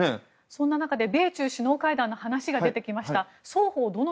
そんな中で米中首脳会談の話が出てきました。